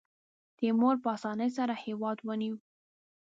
تیمور په اسانۍ سره هېواد ونیو.